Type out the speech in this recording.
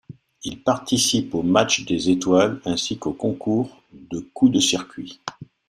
Il participe au match des étoiles ainsi qu'au concours de coups de circuits.